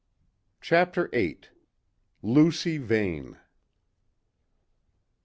CHAPTER VIII LUCY VANE.